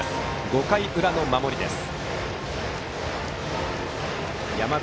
５回裏の守りです。